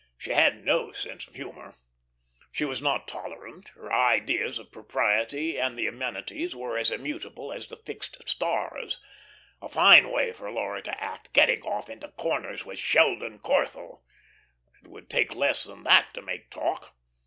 She had no sense of humour. She was not tolerant; her ideas of propriety and the amenities were as immutable as the fixed stars. A fine way for Laura to act, getting off into corners with Sheldon Corthell. It would take less than that to make talk.